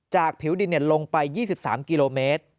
จากผิวดินเหนียดลงไป๒๓กิโลเมตร